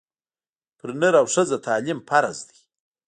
پر نر او ښځه تعلیم فرض دی